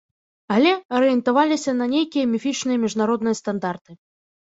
Але арыентаваліся на нейкія міфічныя міжнародныя стандарты.